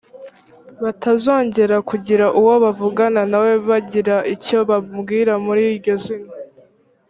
batazongera kugira uwo bavugana na we bagira icyo bamubwira muri iryo zina a